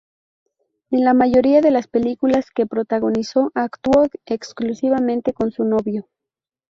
En la mayoría de las películas que protagonizó actuó exclusivamente con su novio.